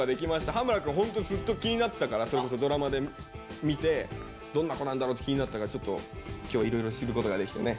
羽村くんホントずっと気になってたからそれこそドラマで見てどんな子なんだろって気になってたからちょっと今日はいろいろ知ることができてね。